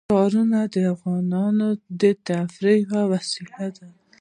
ښارونه د افغانانو د تفریح یوه وسیله ده.